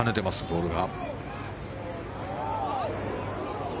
ボールが。